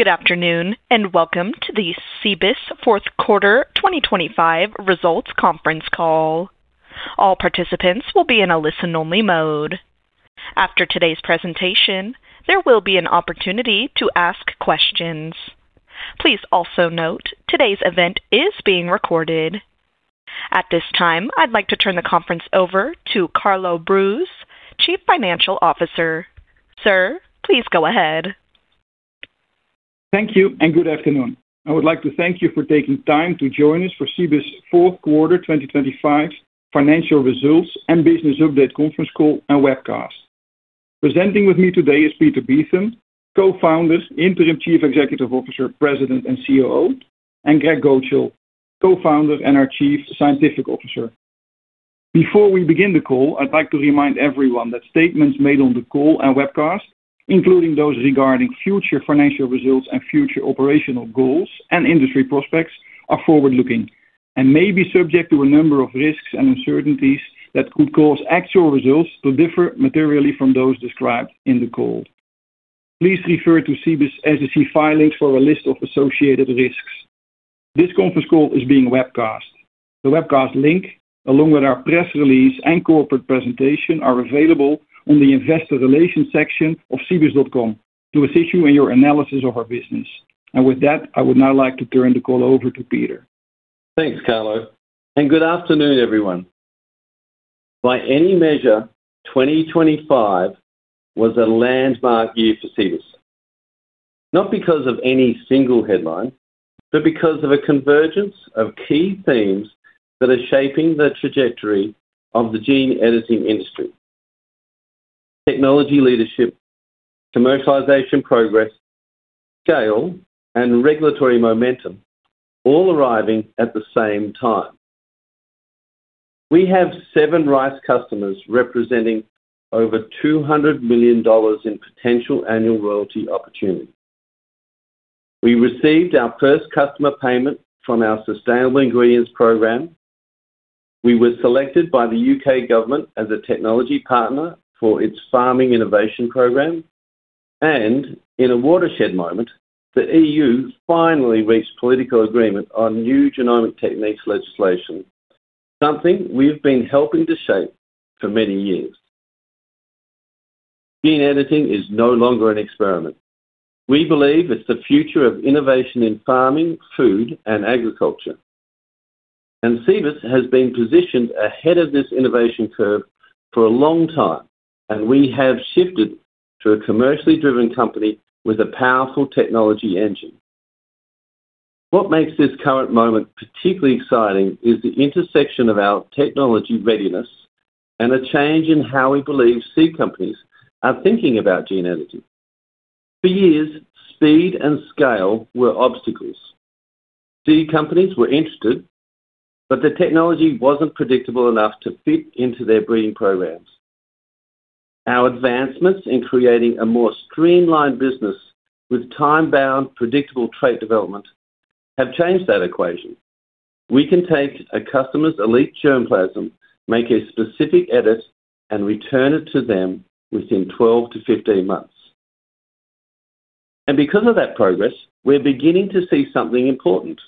Good afternoon, and welcome to the Cibus fourth quarter 2025 results conference call. All participants will be in a listen-only mode. After today's presentation, there will be an opportunity to ask questions. Please also note today's event is being recorded. At this time, I'd like to turn the conference over to Carlo Broos, Chief Financial Officer. Sir, please go ahead. Thank you and good afternoon. I would like to thank you for taking time to join us for Cibus's fourth quarter 2025 financial results and business update conference call and webcast. Presenting with me today is Peter Beetham, Co-founder, Interim Chief Executive Officer, President, and COO, and Greg Gocal, Co-founder and our Chief Scientific Officer. Before we begin the call, I'd like to remind everyone that statements made on the call and webcast, including those regarding future financial results and future operational goals and industry prospects, are forward-looking and may be subject to a number of risks and uncertainties that could cause actual results to differ materially from those described in the call. Please refer to Cibus' SEC filings for a list of associated risks. This conference call is being webcast. The webcast link, along with our press release and corporate presentation, are available on the investor relations section of cibus.com to assist you in your analysis of our business. With that, I would now like to turn the call over to Peter. Thanks, Carlo, and good afternoon, everyone. By any measure, 2025 was a landmark year for Cibus. Not because of any single headline, but because of a convergence of key themes that are shaping the trajectory of the gene editing industry. Technology leadership, commercialization progress, scale, and regulatory momentum all arriving at the same time. We have seven rice customers representing over $200 million in potential annual royalty opportunity. We received our first customer payment from our sustainable ingredients program. We were selected by the U.K. government as a technology partner for its farming innovation program. In a watershed moment, the EU finally reached political agreement on New Genomic Techniques legislation, something we've been helping to shape for many years. Gene editing is no longer an experiment. We believe it's the future of innovation in farming, food, and agriculture. Cibus has been positioned ahead of this innovation curve for a long time, and we have shifted to a commercially driven company with a powerful technology engine. What makes this current moment particularly exciting is the intersection of our technology readiness and a change in how we believe seed companies are thinking about gene editing. For years, speed and scale were obstacles. Seed companies were interested, but the technology wasn't predictable enough to fit into their breeding programs. Our advancements in creating a more streamlined business with time-bound, predictable trait development have changed that equation. We can take a customer's elite germplasm, make a specific edit, and return it to them within 12-15 months. Because of that progress, we're beginning to see something important.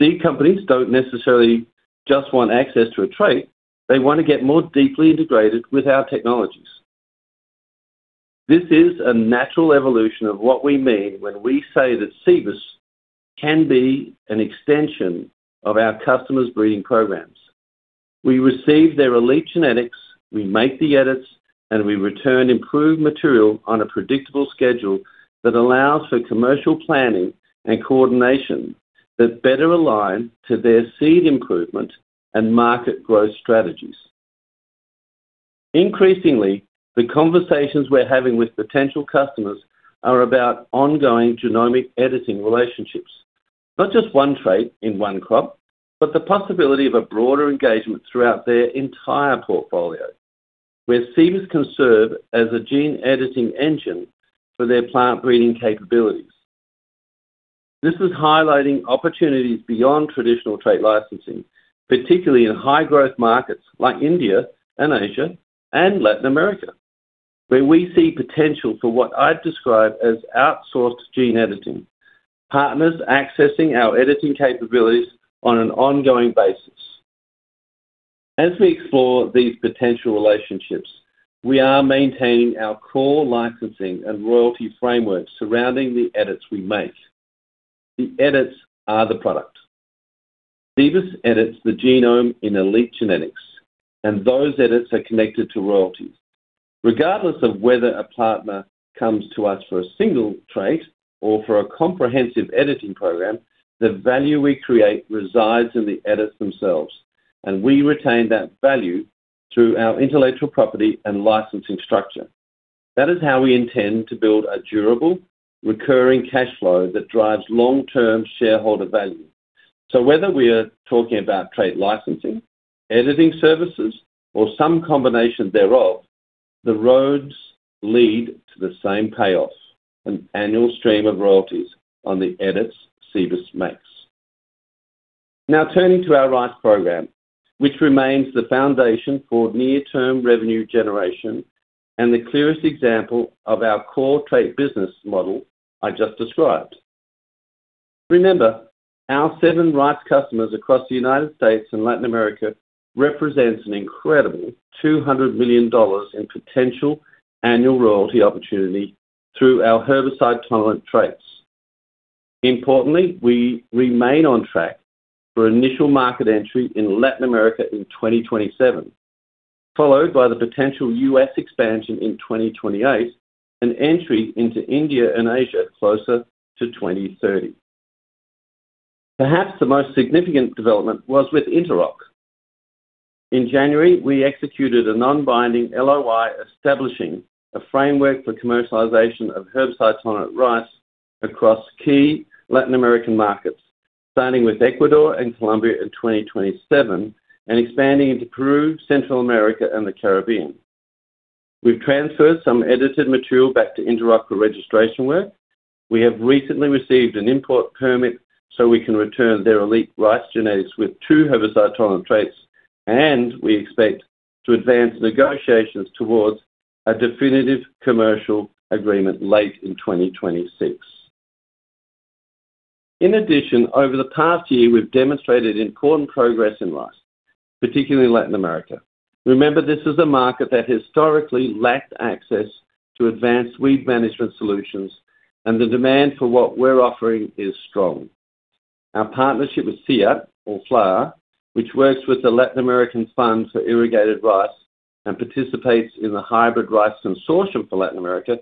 Seed companies don't necessarily just want access to a trait, they want to get more deeply integrated with our technologies. This is a natural evolution of what we mean when we say that Cibus can be an extension of our customers' breeding programs. We receive their elite genetics, we make the edits, and we return improved material on a predictable schedule that allows for commercial planning and coordination that better align to their seed improvement and market growth strategies. Increasingly, the conversations we're having with potential customers are about ongoing genomic editing relationships. Not just one trait in one crop, but the possibility of a broader engagement throughout their entire portfolio, where Cibus can serve as a gene editing engine for their plant breeding capabilities. This is highlighting opportunities beyond traditional trait licensing, particularly in high-growth markets like India and Asia and Latin America, where we see potential for what I'd describe as outsourced gene editing, partners accessing our editing capabilities on an ongoing basis. As we explore these potential relationships, we are maintaining our core licensing and royalty framework surrounding the edits we make. The edits are the product. Cibus edits the genome in elite genetics, and those edits are connected to royalties. Regardless of whether a partner comes to us for a single trait or for a comprehensive editing program, the value we create resides in the edits themselves, and we retain that value through our intellectual property and licensing structure. That is how we intend to build a durable, recurring cash flow that drives long-term shareholder value. Whether we are talking about trait licensing, editing services, or some combination thereof, the roads lead to the same payoff, an annual stream of royalties on the edits Cibus makes. Now turning to our rice program, which remains the foundation for near-term revenue generation and the clearest example of our core trait business model I just described. Remember, our seven rice customers across the United States and Latin America represents an incredible $200 million in potential annual royalty opportunity through our herbicide-tolerant traits. Importantly, we remain on track for initial market entry in Latin America in 2027, followed by the potential U.S. expansion in 2028 and entry into India and Asia closer to 2030. Perhaps the most significant development was with Interoc. In January, we executed a non-binding LOI establishing a framework for commercialization of herbicide-tolerant rice across key Latin American markets, starting with Ecuador and Colombia in 2027 and expanding into Peru, Central America, and the Caribbean. We've transferred some edited material back to Interoc for registration work. We have recently received an import permit so we can return their elite rice genetics with two herbicide-tolerant traits, and we expect to advance negotiations towards a definitive commercial agreement late in 2026. In addition, over the past year, we've demonstrated important progress in rice, particularly Latin America. Remember, this is a market that historically lacked access to advanced weed management solutions, and the demand for what we're offering is strong. Our partnership with CIAT or FLAR, which works with the Latin American Fund for Irrigated Rice and participates in the Hybrid Rice Consortium for Latin America,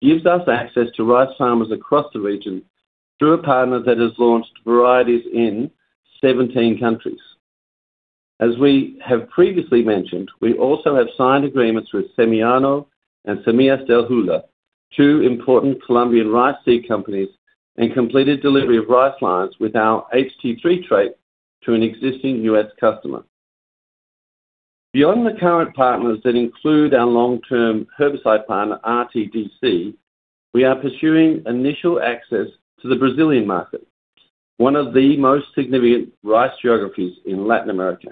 gives us access to rice farmers across the region through a partner that has launched varieties in 17 countries. As we have previously mentioned, we also have signed agreements with Semillano and Semillas del Huila, two important Colombian rice seed companies, and completed delivery of rice lines with our HT3 trait to an existing U.S. customer. Beyond the current partners that include our long-term herbicide partner, RTDC, we are pursuing initial access to the Brazilian market, one of the most significant rice geographies in Latin America,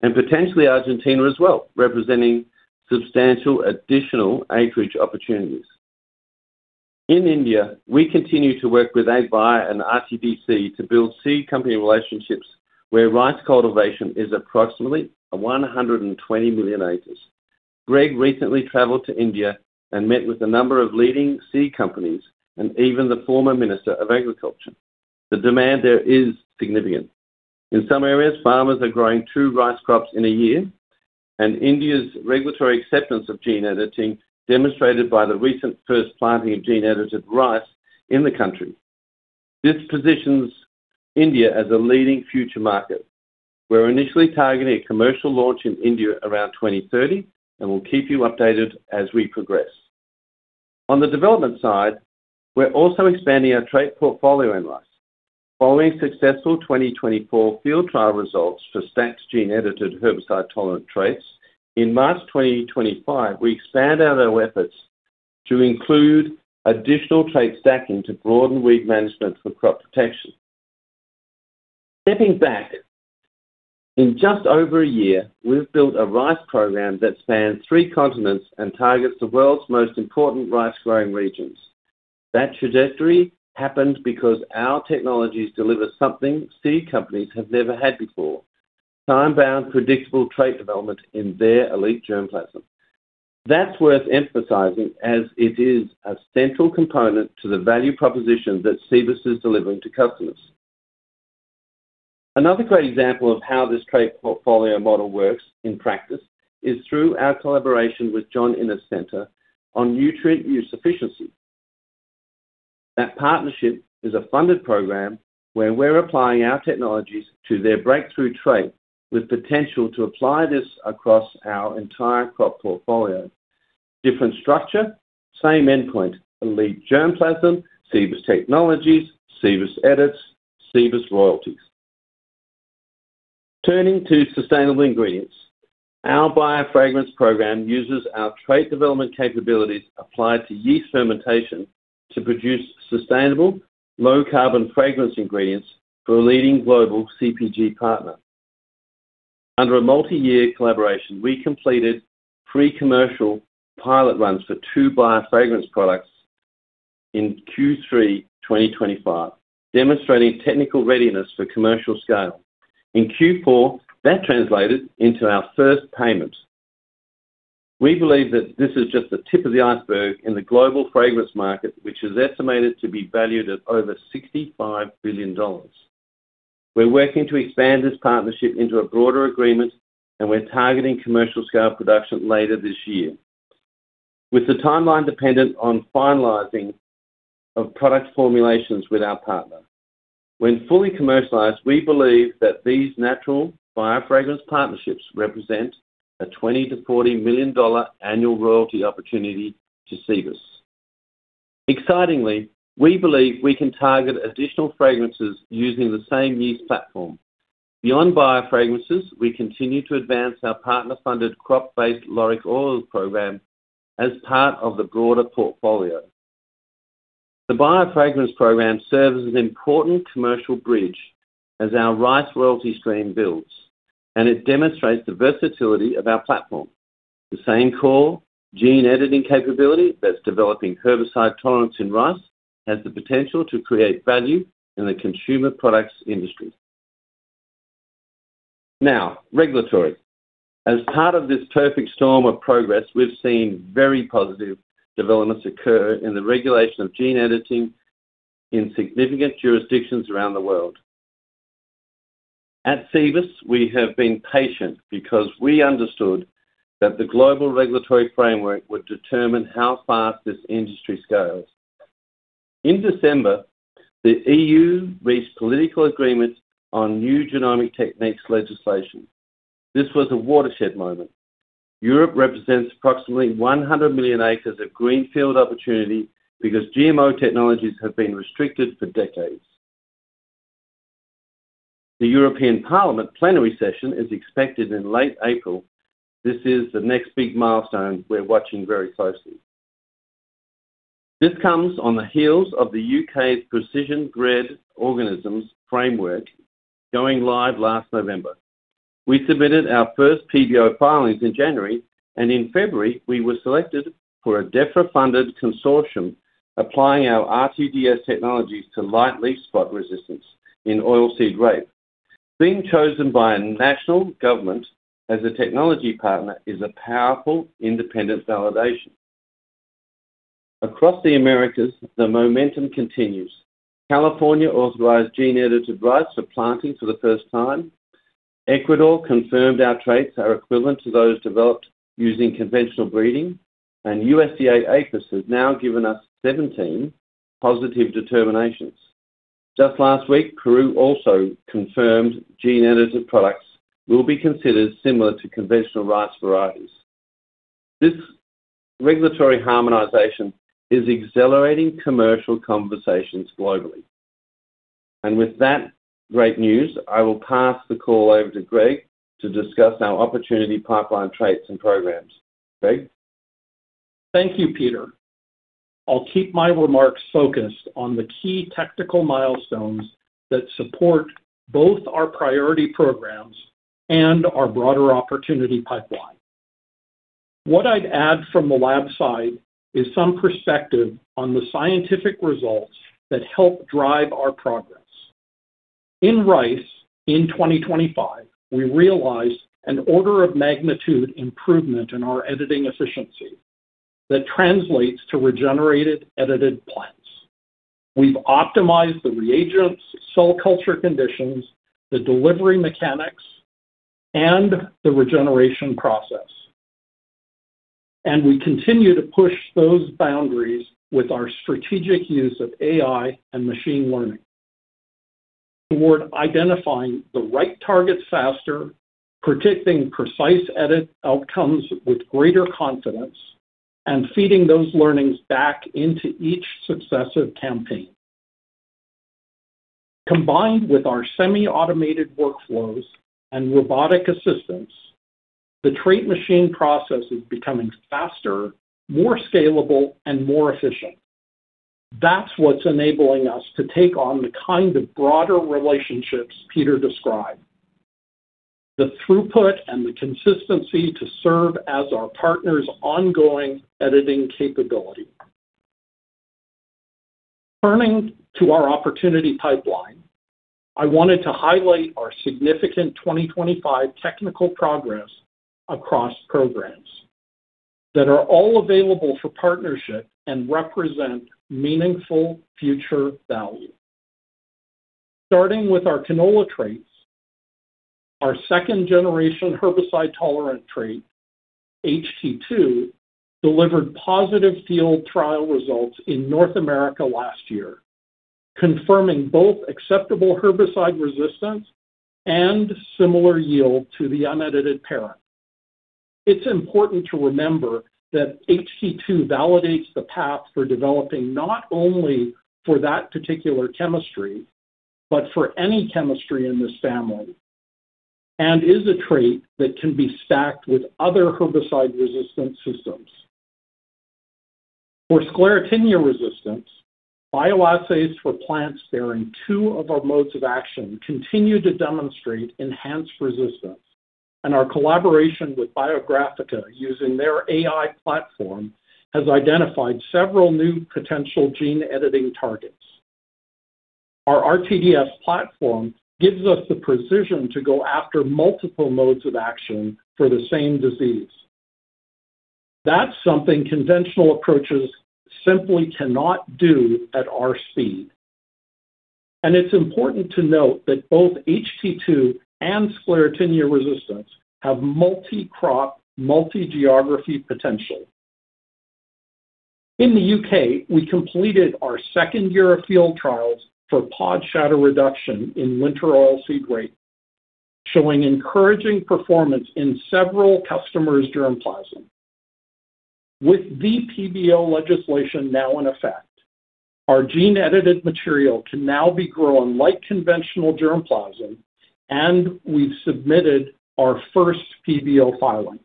and potentially Argentina as well, representing substantial additional acreage opportunities. In India, we continue to work with Agribiome and RTDC to build seed company relationships where rice cultivation is approximately 120 million acres. Greg recently traveled to India and met with a number of leading seed companies and even the former Minister of Agriculture. The demand there is significant. In some areas, farmers are growing two rice crops in a year, and India's regulatory acceptance of gene editing demonstrated by the recent first planting of gene-edited rice in the country. This positions India as a leading future market. We're initially targeting a commercial launch in India around 2030, and we'll keep you updated as we progress. On the development side, we're also expanding our trait portfolio in rice. Following successful 2024 field trial results for stacked gene-edited herbicide-tolerant traits, in March 2025, we expand out our efforts to include additional trait stacking to broaden weed management for crop protection. Stepping back, in just over a year, we've built a rice program that spans three continents and targets the world's most important rice-growing regions. That trajectory happened because our technologies deliver something seed companies have never had before, time-bound, predictable trait development in their elite germplasm. That's worth emphasizing as it is a central component to the value proposition that Cibus is delivering to customers. Another great example of how this trait portfolio model works in practice is through our collaboration with John Innes Centre on nutrient use efficiency. That partnership is a funded program where we're applying our technologies to their breakthrough trait with potential to apply this across our entire crop portfolio. Different structure, same endpoint, elite germplasm, Cibus technologies, Cibus edits, Cibus royalties. Turning to sustainable ingredients, our biofragrance program uses our trait development capabilities applied to yeast fermentation to produce sustainable low-carbon fragrance ingredients for a leading global CPG partner. Under a multi-year collaboration, we completed pre-commercial pilot runs for two biofragrance products in Q3 2025, demonstrating technical readiness for commercial scale. In Q4, that translated into our first payment. We believe that this is just the tip of the iceberg in the global fragrance market, which is estimated to be valued at over $65 billion. We're working to expand this partnership into a broader agreement, and we're targeting commercial scale production later this year. With the timeline dependent on finalizing of product formulations with our partner. When fully commercialized, we believe that these natural biofragrance partnerships represent a $20 million-$40 million annual royalty opportunity to Cibus. Excitingly, we believe we can target additional fragrances using the same yeast platform. Beyond biofragrances, we continue to advance our partner-funded crop-based lauric oil program as part of the broader portfolio. The biofragrance program serves as an important commercial bridge as our rice royalty stream builds, and it demonstrates the versatility of our platform. The same core gene editing capability that's developing herbicide tolerance in rice has the potential to create value in the consumer products industry. Now, regulatory. As part of this perfect storm of progress, we've seen very positive developments occur in the regulation of gene editing in significant jurisdictions around the world. At Cibus, we have been patient because we understood that the global regulatory framework would determine how fast this industry scales. In December, the EU reached political agreement on New Genomic Techniques legislation. This was a watershed moment. Europe represents approximately 100 million acres of greenfield opportunity because GMO technologies have been restricted for decades. The European Parliament plenary session is expected in late April. This is the next big milestone we're watching very closely. This comes on the heels of the U.K.'s Precision Bred Organisms framework going live last November. We submitted our first PBO filings in January, and in February, we were selected for a Defra-funded consortium applying our RTDS technologies to light leaf spot resistance in oilseed rape. Being chosen by a national government as a technology partner is a powerful independent validation. Across the Americas, the momentum continues. California authorized gene-edited rice for planting for the first time. Ecuador confirmed our traits are equivalent to those developed using conventional breeding. USDA APHIS has now given us 17 positive determinations. Just last week, Peru also confirmed gene-edited products will be considered similar to conventional rice varieties. This regulatory harmonization is accelerating commercial conversations globally. With that great news, I will pass the call over to Greg to discuss our opportunity pipeline traits and programs. Greg? Thank you, Peter. I'll keep my remarks focused on the key tactical milestones that support both our priority programs and our broader opportunity pipeline. What I'd add from the lab side is some perspective on the scientific results that help drive our progress. In rice, in 2025, we realized an order-of-magnitude improvement in our editing efficiency that translates to regenerated edited plants. We've optimized the reagents, cell culture conditions, the delivery mechanics, and the regeneration process. We continue to push those boundaries with our strategic use of AI and machine learning toward identifying the right targets faster, predicting precise edit outcomes with greater confidence, and feeding those learnings back into each successive campaign. Combined with our semi-automated workflows and robotic assistance, the trait machine process is becoming faster, more scalable, and more efficient. That's what's enabling us to take on the kind of broader relationships Peter described. The throughput and the consistency to serve as our partner's ongoing editing capability. Turning to our opportunity pipeline, I wanted to highlight our significant 2025 technical progress across programs that are all available for partnership and represent meaningful future value. Starting with our canola traits, our second-generation herbicide-tolerant trait, HT2, delivered positive field trial results in North America last year, confirming both acceptable herbicide resistance and similar yield to the unedited parent. It's important to remember that HT2 validates the path for developing not only for that particular chemistry, but for any chemistry in this family, and is a trait that can be stacked with other herbicide-resistant systems. For Sclerotinia resistance, bioassays for plants bearing two of our modes of action continue to demonstrate enhanced resistance, and our collaboration with Biographica using their AI platform has identified several new potential gene-editing targets. Our RTDS platform gives us the precision to go after multiple modes of action for the same disease. That's something conventional approaches simply cannot do at our speed. It's important to note that both HT2 and Sclerotinia resistance have multi-crop, multi-geography potential. In the U.K., we completed our second year of field trials for pod shatter reduction in winter oilseed rape, showing encouraging performance in several customers' germplasm. With the PBO legislation now in effect, our gene-edited material can now be grown like conventional germplasm, and we've submitted our first PBO filing.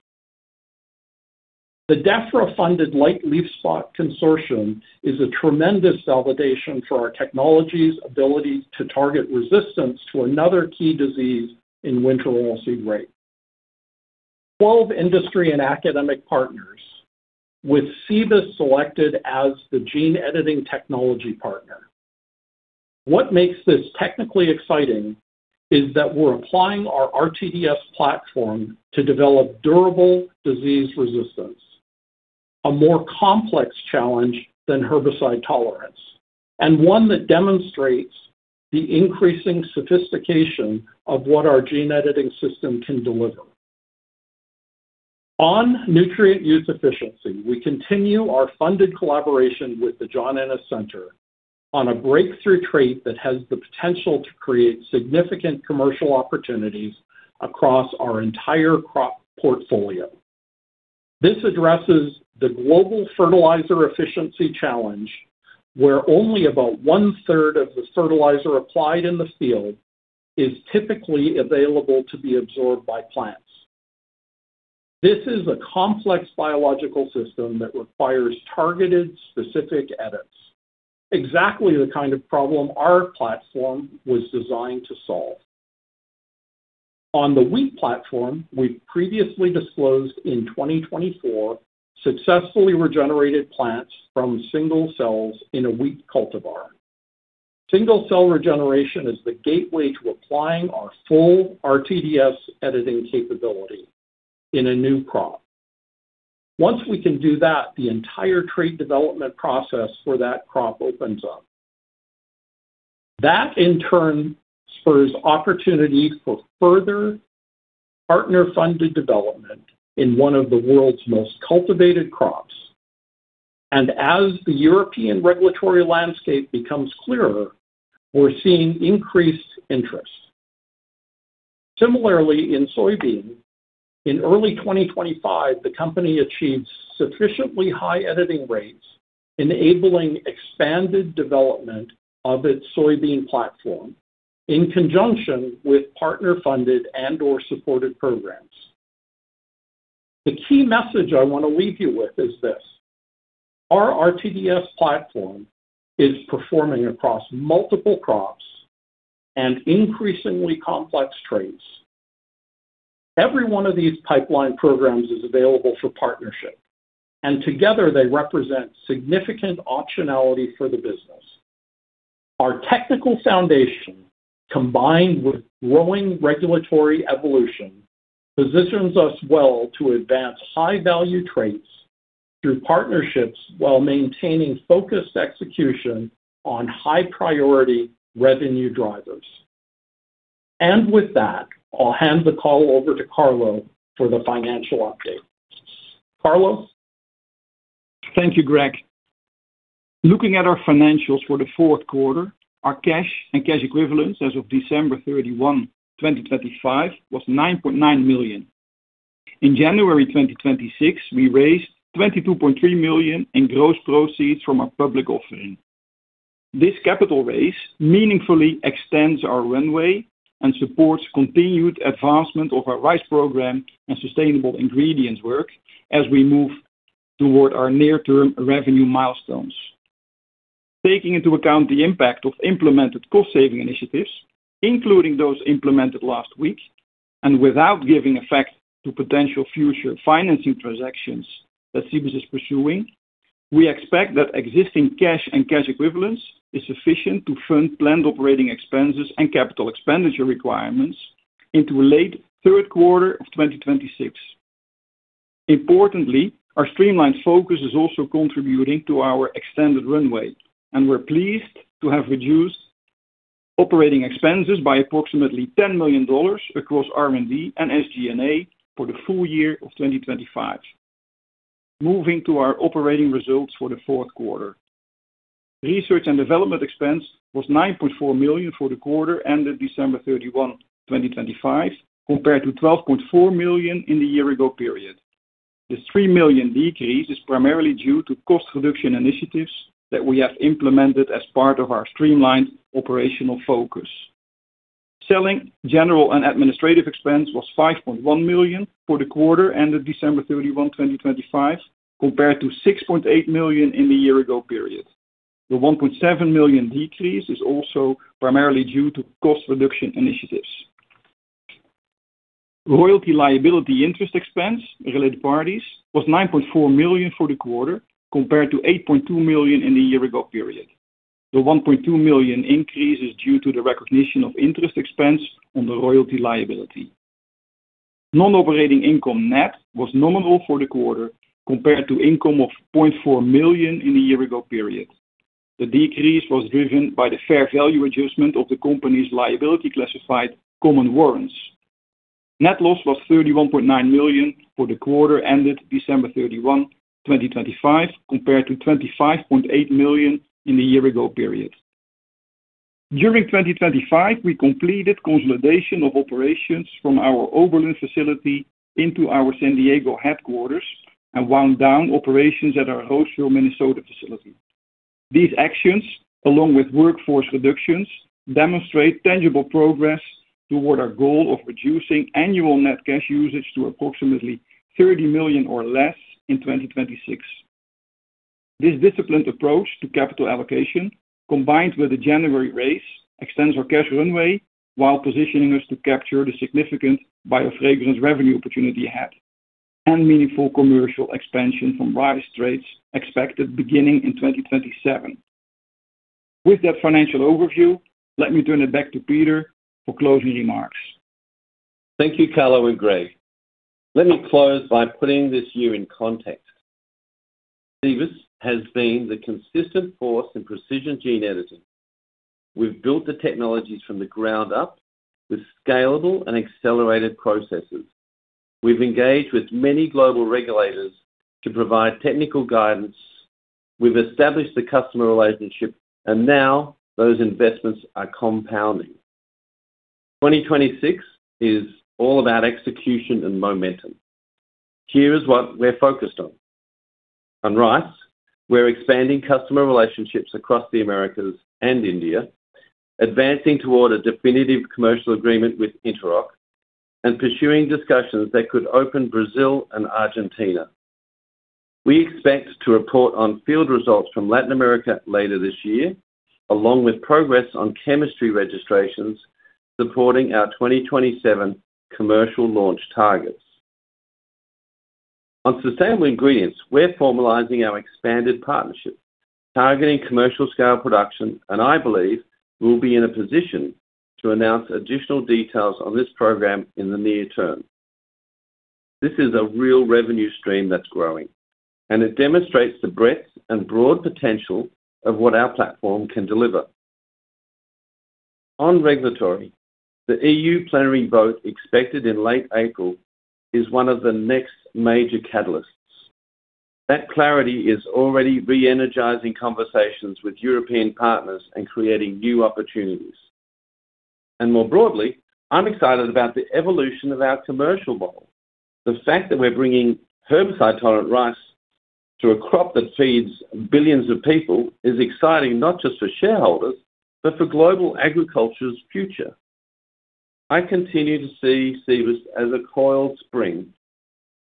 The Defra-funded Light Leaf Spot consortium is a tremendous validation for our technology's ability to target resistance to another key disease in winter oilseed rape. 12 industry and academic partners with Cibus selected as the gene editing technology partner. What makes this technically exciting is that we're applying our RTDS platform to develop durable disease resistance, a more complex challenge than herbicide tolerance, and one that demonstrates the increasing sophistication of what our gene editing system can deliver. On nutrient use efficiency, we continue our funded collaboration with the John Innes Centre on a breakthrough trait that has the potential to create significant commercial opportunities across our entire crop portfolio. This addresses the global fertilizer efficiency challenge, where only about one-third of the fertilizer applied in the field is typically available to be absorbed by plants. This is a complex biological system that requires targeted specific edits. Exactly the kind of problem our platform was designed to solve. On the wheat platform, we previously disclosed in 2024 successfully regenerated plants from single cells in a wheat cultivar. Single cell regeneration is the gateway to applying our full RTDS editing capability in a new crop. Once we can do that, the entire trait development process for that crop opens up. That, in turn, spurs opportunities for further partner-funded development in one of the world's most cultivated crops. As the European regulatory landscape becomes clearer, we're seeing increased interest. Similarly, in soybean, in early 2025, the company achieved sufficiently high editing rates, enabling expanded development of its soybean platform in conjunction with partner-funded and/or supported programs. The key message I want to leave you with is this. Our RTDS platform is performing across multiple crops and increasingly complex traits. Every one of these pipeline programs is available for partnership, and together they represent significant optionality for the business. Our technical foundation, combined with growing regulatory evolution, positions us well to advance high-value traits through partnerships while maintaining focused execution on high-priority revenue drivers. With that, I'll hand the call over to Carlo for the financial update. Carlo? Thank you, Greg. Looking at our financials for the fourth quarter, our cash and cash equivalents as of December 31, 2025 was $9.9 million. In January 2026, we raised $22.3 million in gross proceeds from our public offering. This capital raise meaningfully extends our runway and supports continued advancement of our rice program and sustainable ingredients work as we move toward our near-term revenue milestones. Taking into account the impact of implemented cost-saving initiatives, including those implemented last week, and without giving effect to potential future financing transactions that Cibus is pursuing, we expect that existing cash and cash equivalents is sufficient to fund planned operating expenses and capital expenditure requirements into late third quarter of 2026. Importantly, our streamlined focus is also contributing to our extended runway, and we're pleased to have reduced operating expenses by approximately $10 million across R&D and SG&A for the full year of 2025. Moving to our operating results for the fourth quarter. Research and development expense was $9.4 million for the quarter ended December 31, 2025, compared to $12.4 million in the year ago period. This $3 million decrease is primarily due to cost reduction initiatives that we have implemented as part of our streamlined operational focus. Selling, general, and administrative expense was $5.1 million for the quarter ended December 31, 2025, compared to $6.8 million in the year ago period. The $1.7 million decrease is also primarily due to cost reduction initiatives. Royalty liability interest expense, related parties, was $9.4 million for the quarter, compared to $8.2 million in the year ago period. The $1.2 million increase is due to the recognition of interest expense on the royalty liability. Non-operating income net was nominal for the quarter compared to income of $0.4 million in the year ago period. The decrease was driven by the fair value adjustment of the company's liability classified common warrants. Net loss was $31.9 million for the quarter ended December 31, 2025, compared to $25.8 million in the year ago period. During 2025, we completed consolidation of operations from our Oberlin facility into our San Diego headquarters and wound down operations at our Roseville, Minnesota facility. These actions, along with workforce reductions, demonstrate tangible progress toward our goal of reducing annual net cash usage to approximately $30 million or less in 2026. This disciplined approach to capital allocation, combined with the January raise, extends our cash runway while positioning us to capture the significant Biofragrance revenue opportunity ahead and meaningful commercial expansion from rice traits expected beginning in 2027. With that financial overview, let me turn it back to Peter for closing remarks. Thank you, Carlo and Greg. Let me close by putting this year in context. Cibus has been the consistent force in precision gene editing. We've built the technologies from the ground up with scalable and accelerated processes. We've engaged with many global regulators to provide technical guidance. We've established the customer relationship, and now those investments are compounding. 2026 is all about execution and momentum. Here is what we're focused on. On rice, we're expanding customer relationships across the Americas and India, advancing toward a definitive commercial agreement with Interoc, and pursuing discussions that could open Brazil and Argentina. We expect to report on field results from Latin America later this year, along with progress on chemistry registrations supporting our 2027 commercial launch targets. On sustainable ingredients, we're formalizing our expanded partnership, targeting commercial scale production, and I believe we'll be in a position to announce additional details on this program in the near term. This is a real revenue stream that's growing, and it demonstrates the breadth and broad potential of what our platform can deliver. On regulatory, the EU plenary vote expected in late April is one of the next major catalysts. That clarity is already re-energizing conversations with European partners and creating new opportunities. More broadly, I'm excited about the evolution of our commercial model. The fact that we're bringing herbicide-tolerant rice to a crop that feeds billions of people is exciting, not just for shareholders, but for global agriculture's future. I continue to see Cibus as a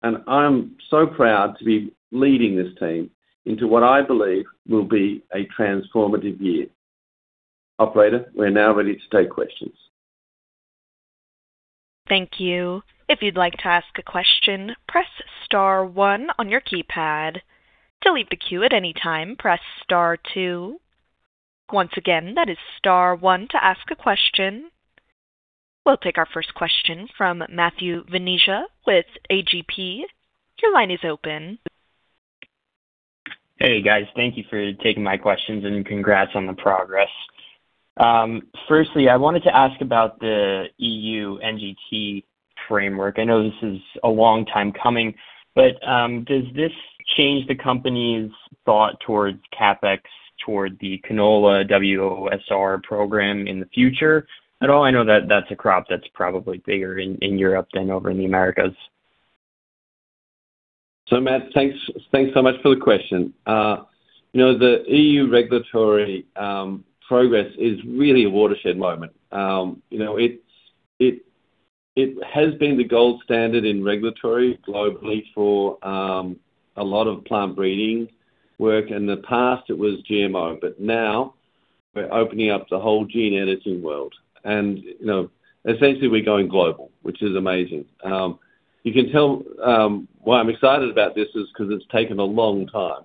coiled spring, and I'm so proud to be leading this team into what I believe will be a transformative year. Operator, we're now ready to take questions. Thank you. If you'd like to ask a question, press star one on your keypad. To leave the queue at any time, press star two. Once again, that is star one to ask a question. We'll take our first question from Matthew Venezia with AGP. Your line is open. Hey, guys. Thank you for taking my questions and congrats on the progress. Firstly, I wanted to ask about the EU NGT framework. I know this is a long time coming, but does this change the company's thought towards CapEx, toward the canola WOSR program in the future at all? I know that that's a crop that's probably bigger in Europe than over in the Americas. Matt, thanks so much for the question. You know, the EU regulatory progress is really a watershed moment. You know, it has been the gold standard in regulatory globally for a lot of plant breeding work. In the past, it was GMO, but now we're opening up the whole gene editing world. You know, essentially we're going global, which is amazing. You can tell why I'm excited about this is 'cause it's taken a long time,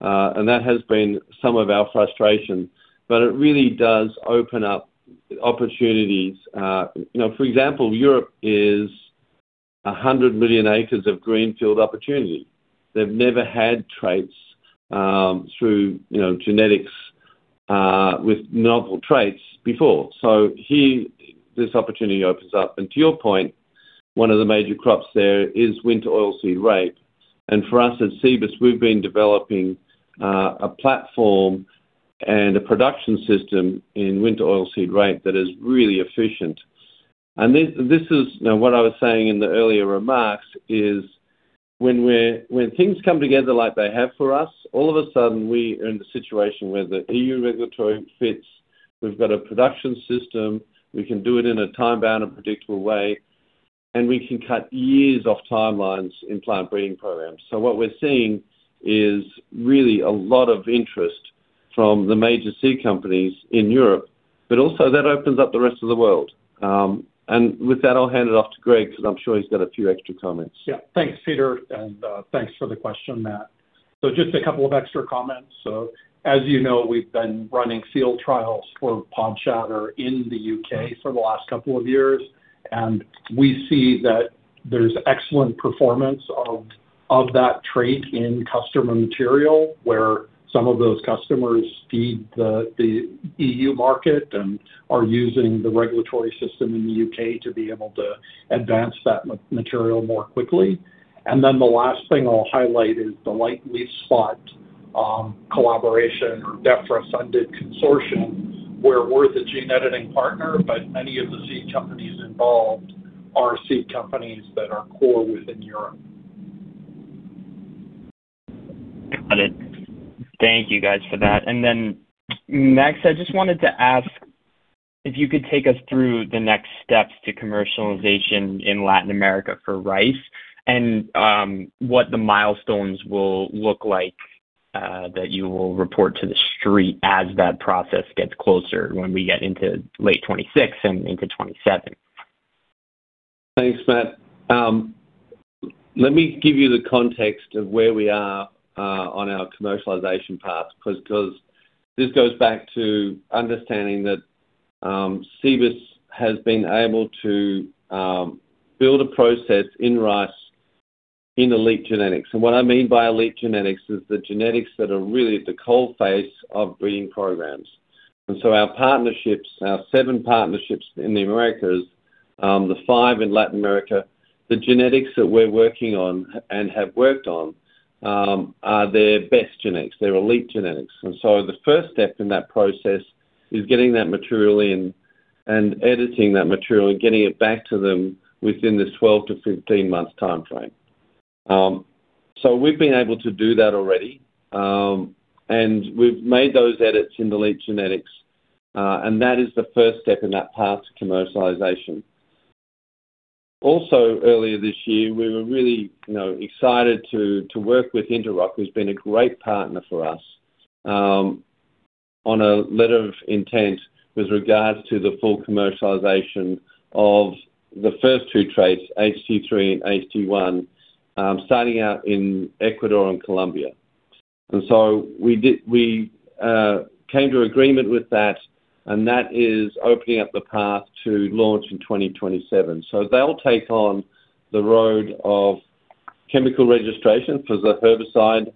and that has been some of our frustration, but it really does open up opportunities. You know, for example, Europe is 100 million acres of greenfield opportunity. They've never had traits through genetics with novel traits before. Here, this opportunity opens up. To your point, one of the major crops there is winter oilseed rape. For us at Cibus, we've been developing a platform and a production system in winter oilseed rape that is really efficient. This is, you know, what I was saying in the earlier remarks is when things come together like they have for us, all of a sudden we are in the situation where the EU regulatory fits, we've got a production system, we can do it in a time-bound and predictable way, and we can cut years off timelines in plant breeding programs. What we're seeing is really a lot of interest from the major seed companies in Europe, but also that opens up the rest of the world. With that, I'll hand it off to Greg 'cause I'm sure he's got a few extra comments. Yeah. Thanks, Peter, and thanks for the question, Matt. Just a couple of extra comments. As you know, we've been running field trials for pod shatter in the U.K. for the last couple of years, and we see that there's excellent performance of that trait in customer material, where some of those customers feed the EU market and are using the regulatory system in the U.K. to be able to advance that material more quickly. The last thing I'll highlight is the light leaf spot collaboration or Defra-funded consortium, where we're the gene editing partner, but many of the seed companies involved are seed companies that are core within Europe. Got it. Thank you guys for that. Next, I just wanted to ask if you could take us through the next steps to commercialization in Latin America for rice and what the milestones will look like that you will report to the street as that process gets closer when we get into late 2026 and into 2027. Thanks, Matt. Let me give you the context of where we are on our commercialization path, because this goes back to understanding that Cibus has been able to build a process in rice in elite genetics. What I mean by elite genetics is the genetics that are really at the coal face of breeding programs. Our partnerships, our seven partnerships in the Americas, the five in Latin America, the genetics that we're working on and have worked on, are their best genetics, their elite genetics. The first step in that process is getting that material in and editing that material and getting it back to them within this 12-15 month timeframe. We've been able to do that already. We've made those edits in the elite genetics, and that is the first step in that path to commercialization. Also, earlier this year, we were really, you know, excited to work with Interoc, who's been a great partner for us, on a letter of intent with regards to the full commercialization of the first two traits, HT3 and HT1, starting out in Ecuador and Colombia. We came to agreement with that, and that is opening up the path to launch in 2027. They'll take on the road of chemical registration for the herbicide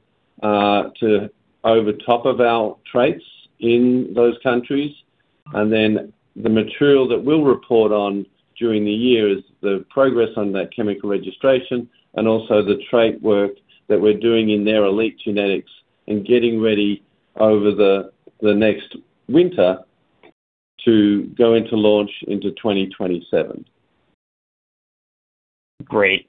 to overtop of our traits in those countries. The material that we'll report on during the year is the progress on that chemical registration and also the trait work that we're doing in their elite genetics and getting ready over the next winter to go into launch into 2027. Great.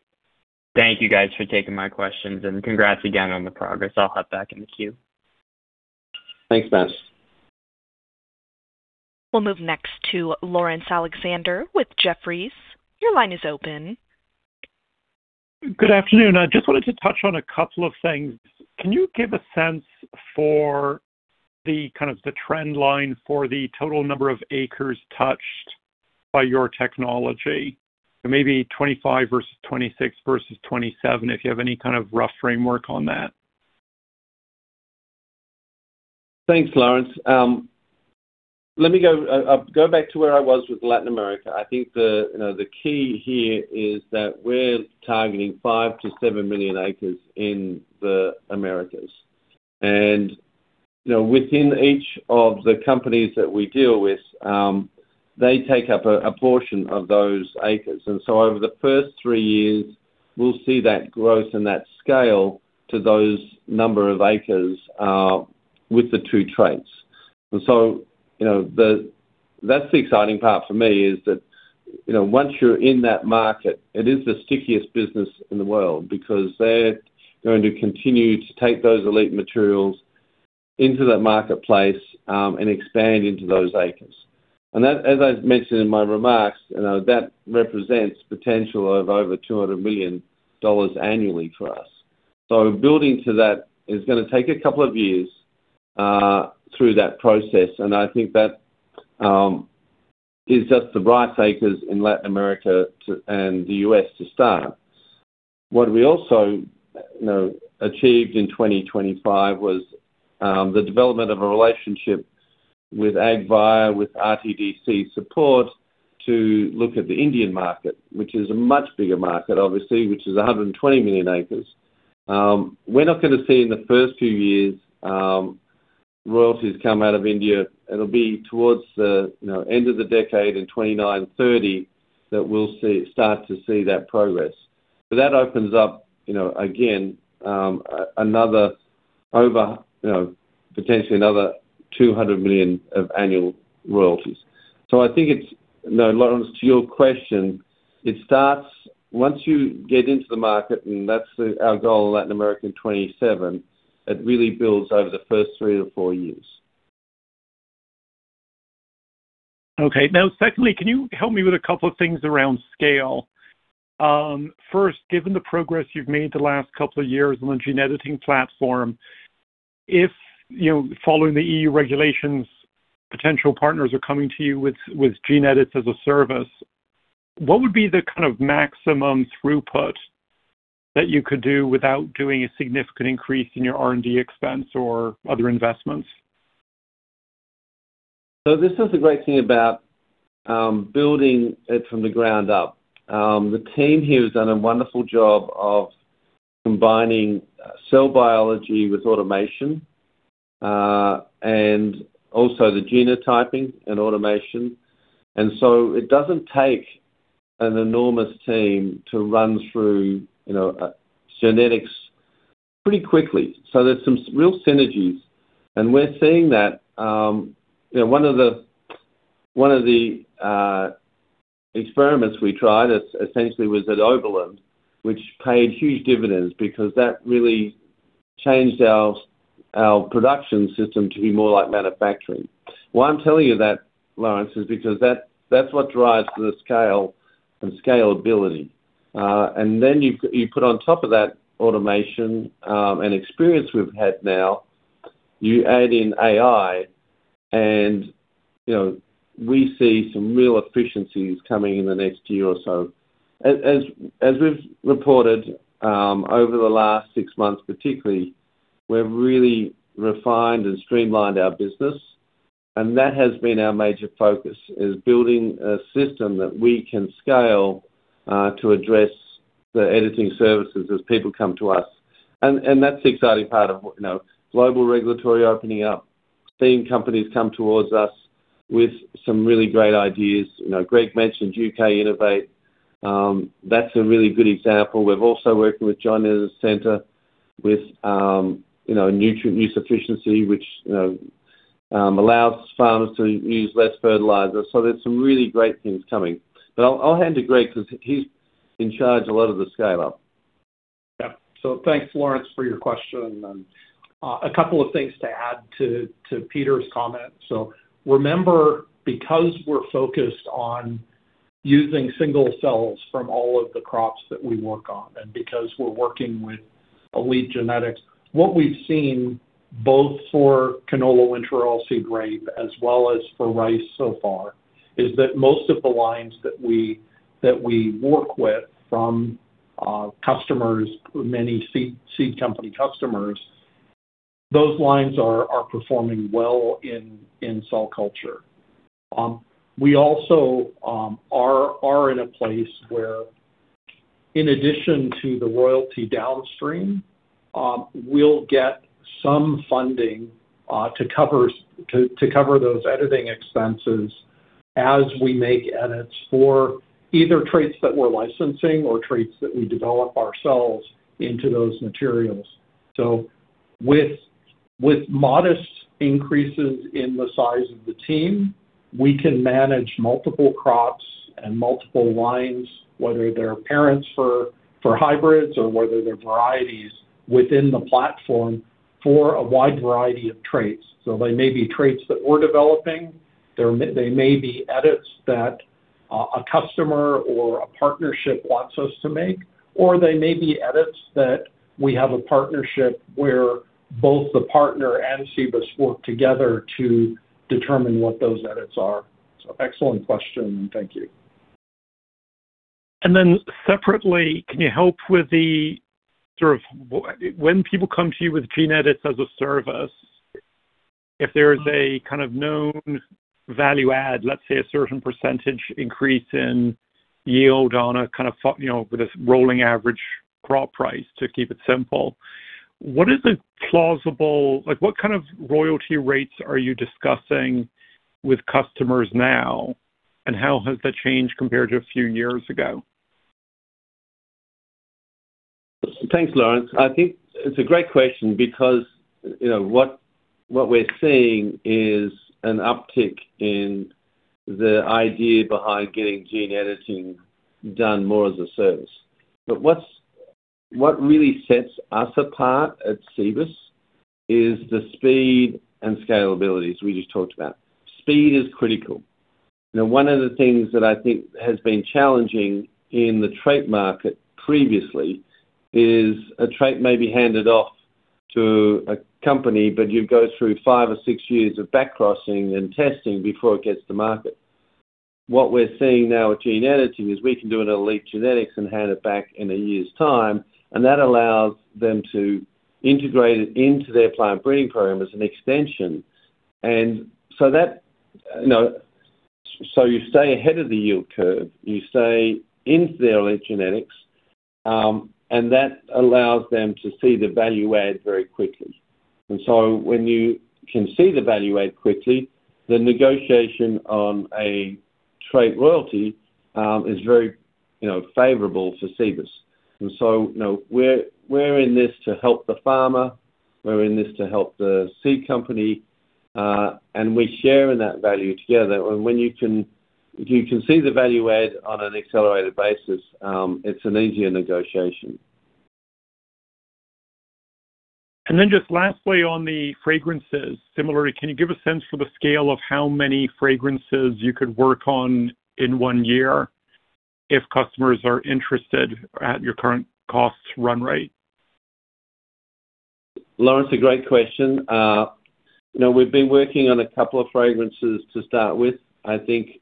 Thank you guys for taking my questions, and congrats again on the progress. I'll hop back in the queue. Thanks, Matt. We'll move next to Laurence Alexander with Jefferies. Your line is open. Good afternoon. I just wanted to touch on a couple of things. Can you give a sense for the kind of the trend line for the total number of acres touched by your technology? Maybe 2025 versus 2026 versus 2027, if you have any kind of rough framework on that. Thanks, Lawrence. Let me go back to where I was with Latin America. I think the key here is that we're targeting 5-7 million acres in the Americas. You know, within each of the companies that we deal with, they take up a portion of those acres. Over the first 3 years, we'll see that growth and that scale to those number of acres with the 2 traits. You know, that's the exciting part for me is that, you know, once you're in that market, it is the stickiest business in the world because they're going to continue to take those elite materials into that marketplace and expand into those acres. That, as I mentioned in my remarks, you know, that represents potential of over $200 million annually for us. Building to that is gonna take a couple of years through that process. I think that is just the rice acres in Latin America and the U.S. to start. What we also, you know, achieved in 2025 was the development of a relationship with Agribiome, with RTDC support to look at the Indian market, which is a much bigger market obviously, which is 120 million acres. We're not gonna see in the first few years royalties come out of India. It'll be towards the, you know, end of the decade in 2029, 2030 that we'll start to see that progress. That opens up, you know, again, potentially another $200 million of annual royalties. I think it's, you know, Lawrence, to your question, it starts once you get into the market, and that's our goal in Latin America in 2027, it really builds over the first 3-4 years. Okay. Now secondly, can you help me with a couple of things around scale? First, given the progress you've made the last couple of years on the gene editing platform, if, you know, following the EU regulations, potential partners are coming to you with gene edits as a service, what would be the kind of maximum throughput that you could do without doing a significant increase in your R&D expense or other investments? This is the great thing about building it from the ground up. The team here has done a wonderful job of combining cell biology with automation, and also the genotyping and automation. It doesn't take an enormous team to run through, you know, genetics pretty quickly. There's some real synergies and we're seeing that, you know, one of the experiments we tried essentially was at Oberlin, which paid huge dividends because that really changed our production system to be more like manufacturing. Why I'm telling you that, Laurence, is because that's what drives the scale and scalability. Then you put on top of that automation and experience we've had now, you add in AI and, you know, we see some real efficiencies coming in the next year or so. As we've reported over the last six months particularly, we've really refined and streamlined our business, and that has been our major focus, is building a system that we can scale to address the editing services as people come to us. That's the exciting part of, you know, global regulatory opening up, seeing companies come towards us with some really great ideas. You know, Greg mentioned Innovate U.K. That's a really good example. We've also worked with John Innes Centre with, you know, nutrient use efficiency, which, you know, allows farmers to use less fertilizer. There's some really great things coming. I'll hand to Greg 'cause he's in charge a lot of the scale-up. Thanks Laurence for your question, and a couple of things to add to Peter's comment. Remember, because we're focused on using single cells from all of the crops that we work on and because we're working with elite genetics, what we've seen both for canola winter oilseed rape as well as for rice so far is that most of the lines that we work with from customers, many seed company customers, those lines are performing well in cell culture. We also are in a place where in addition to the royalty downstream, we'll get some funding to cover those editing expenses as we make edits for either traits that we're licensing or traits that we develop ourselves into those materials. With modest increases in the size of the team, we can manage multiple crops and multiple lines, whether they're parents for hybrids or whether they're varieties within the platform for a wide variety of traits. They may be traits that we're developing. They may be edits that a customer or a partnership wants us to make, or they may be edits that we have a partnership where both the partner and Cibus work together to determine what those edits are. Excellent question and thank you. Then separately, can you help with the sort of when people come to you with gene edits as a service, if there's a kind of known value add, let's say a certain percentage increase in yield on a kind of you know, with a rolling average crop price to keep it simple, what is a plausible. Like what kind of royalty rates are you discussing with customers now, and how has that changed compared to a few years ago? Thanks, Laurence. I think it's a great question because, you know, what we're seeing is an uptick in the idea behind getting gene editing done more as a service. What really sets us apart at Cibus is the speed and scalability, as we just talked about. Speed is critical. You know, one of the things that I think has been challenging in the trait market previously is a trait may be handed off to a company, but you go through five or six years of back crossing and testing before it gets to market. What we're seeing now with gene editing is we can do an elite genetics and hand it back in a year's time, and that allows them to integrate it into their plant breeding program as an extension. That, you know, you stay ahead of the yield curve, you stay into the elite genetics, and that allows them to see the value add very quickly. When you can see the value add quickly, the negotiation on a trait royalty is very, you know, favorable for Cibus. You know, we're in this to help the farmer, we're in this to help the seed company, and we're sharing that value together. When you can, if you can see the value add on an accelerated basis, it's an easier negotiation. Just lastly on the fragrances. Similarly, can you give a sense for the scale of how many fragrances you could work on in one year if customers are interested at your current costs run rate? Laurence, a great question. You know, we've been working on a couple of fragrances to start with. I think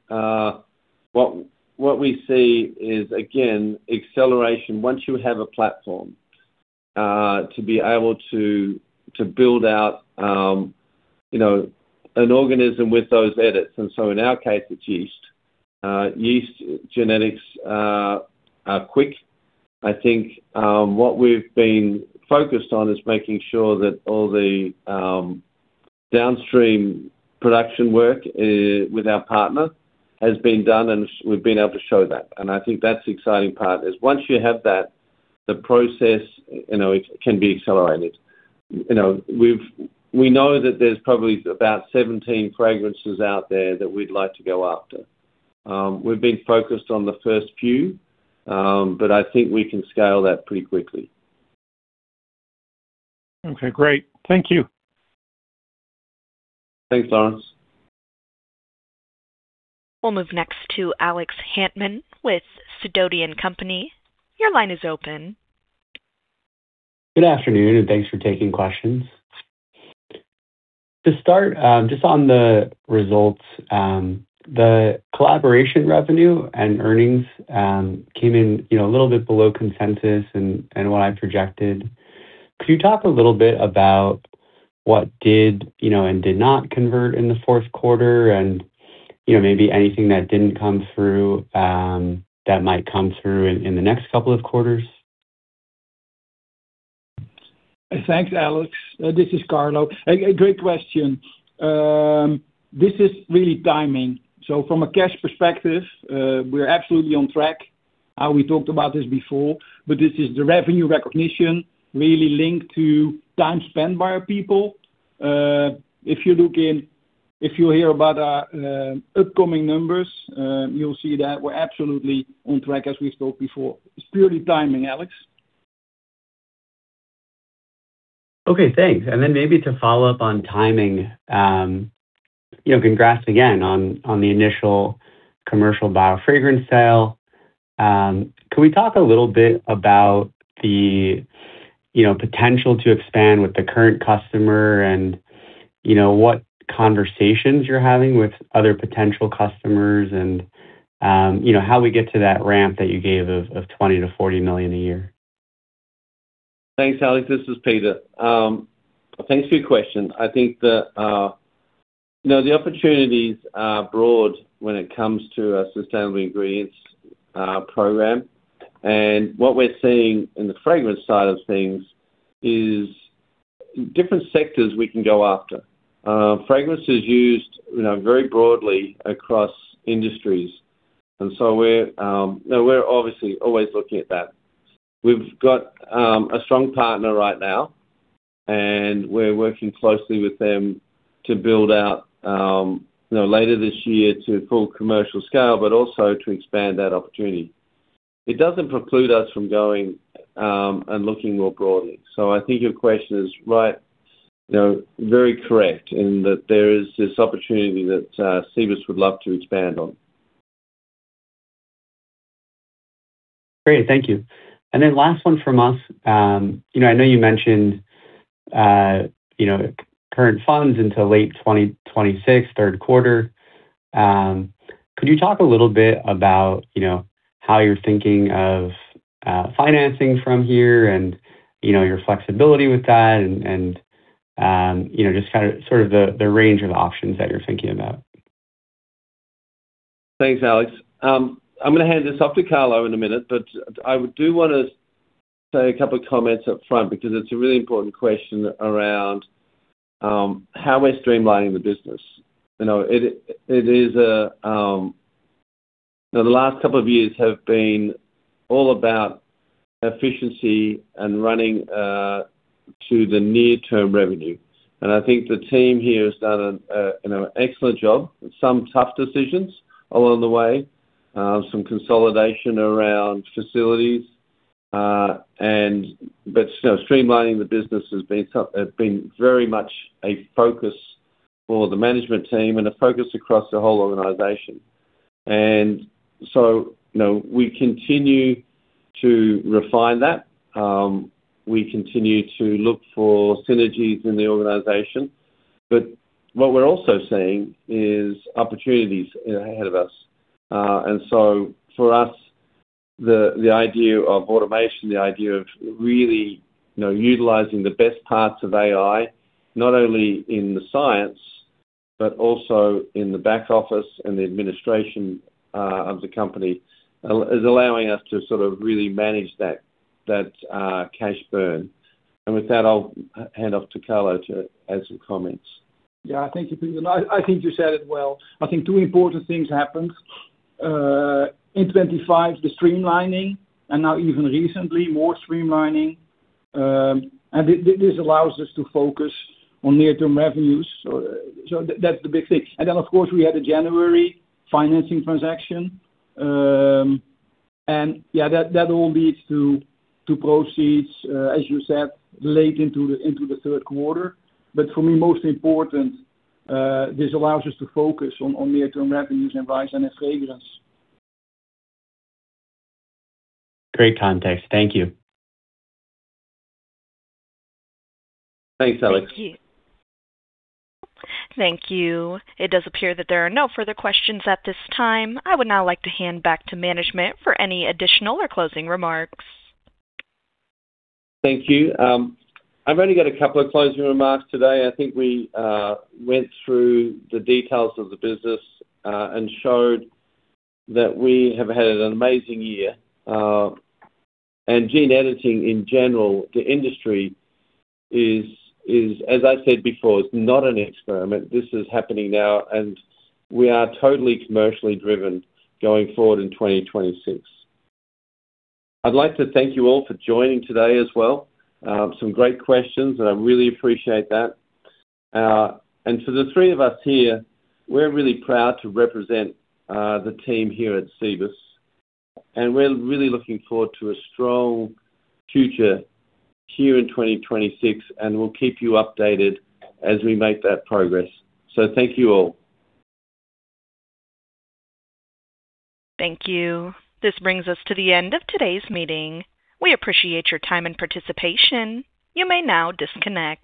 what we see is again, acceleration. Once you have a platform to build out, you know, an organism with those edits, and so in our case it's yeast. Yeast genetics are quick. I think what we've been focused on is making sure that all the downstream production work with our partner has been done, and we've been able to show that. I think that's the exciting part, is once you have that, the process, you know, it can be accelerated. You know, we know that there's probably about 17 fragrances out there that we'd like to go after. We've been focused on the first few, but I think we can scale that pretty quickly. Okay, great. Thank you. Thanks, Laurence. We'll move next to Alex Hantman with Sidoti & Company. Your line is open. Good afternoon, and thanks for taking questions. To start, just on the results, the collaboration revenue and earnings came in, you know, a little bit below consensus and what I projected. Could you talk a little bit about what did, you know, and did not convert in the fourth quarter and, you know, maybe anything that didn't come through that might come through in the next couple of quarters? Thanks, Alex. This is Carlo. A great question. This is really timing. From a cash perspective, we're absolutely on track. We talked about this before, but this is the revenue recognition really linked to time spent by our people. If you hear about our upcoming numbers, you'll see that we're absolutely on track as we spoke before. It's purely timing, Alex. Okay, thanks. Then maybe to follow up on timing, you know, congrats again on the initial commercial Biographica sale. Can we talk a little bit about the, you know, potential to expand with the current customer and, you know, what conversations you're having with other potential customers and, you know, how we get to that ramp that you gave of $20 million-$40 million a year? Thanks, Alex. This is Peter. Thanks for your question. I think that, you know, the opportunities are broad when it comes to our sustainable ingredients program. What we're seeing in the fragrance side of things is different sectors we can go after. Fragrance is used, you know, very broadly across industries. We're, you know, we're obviously always looking at that. We've got a strong partner right now, and we're working closely with them to build out, you know, later this year to full commercial scale, but also to expand that opportunity. It doesn't preclude us from going and looking more broadly. I think your question is right, you know, very correct in that there is this opportunity that Cibus would love to expand on. Great. Thank you. Last one from us, you know, I know you mentioned, you know, current funds until late 2026, third quarter. Could you talk a little bit about, you know, how you're thinking of financing from here and, you know, your flexibility with that and, you know, just kind of sort of the range of options that you're thinking about? Thanks, Alex. I'm gonna hand this off to Carlo in a minute, but I do wanna say a couple of comments up front because it's a really important question around how we're streamlining the business. You know, it is a. The last couple of years have been all about efficiency and running to the near-term revenue. I think the team here has done an excellent job with some tough decisions along the way, some consolidation around facilities, and, you know, streamlining the business has been very much a focus for the management team and a focus across the whole organization. We continue to refine that. We continue to look for synergies in the organization. What we're also seeing is opportunities ahead of us. For us, the idea of automation, the idea of really, you know, utilizing the best parts of AI, not only in the science, but also in the back office and the administration, of the company, is allowing us to sort of really manage that cash burn. With that, I'll hand off to Carlo to add some comments. Yeah. Thank you, Peter. I think you said it well. I think two important things happened in 2025, the streamlining, and now even recently, more streamlining. This allows us to focus on near-term revenues. That's the big thing. Of course, we had the January financing transaction. Yeah, that all leads to proceeds, as you said, late into the third quarter. For me, most important, this allows us to focus on near-term revenues and eyes on our franchise. Great context. Thank you. Thanks, Alex. Thank you. It does appear that there are no further questions at this time. I would now like to hand back to management for any additional or closing remarks. Thank you. I've only got a couple of closing remarks today. I think we went through the details of the business, and showed that we have had an amazing year. Gene editing in general, the industry is, as I said before, not an experiment. This is happening now, and we are totally commercially driven going forward in 2026. I'd like to thank you all for joining today as well. Some great questions, and I really appreciate that. For the three of us here, we're really proud to represent the team here at Cibus. We're really looking forward to a strong future here in 2026, and we'll keep you updated as we make that progress. Thank you all. Thank you. This brings us to the end of today's meeting. We appreciate your time and participation. You may now disconnect.